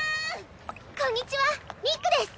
こんにちはミックです！